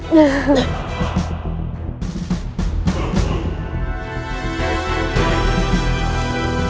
di sini rai